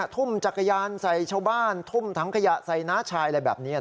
ทุ่มจักรยานใส่ชาวบ้านทุ่มถังขยะใส่น้าชายอะไรแบบนี้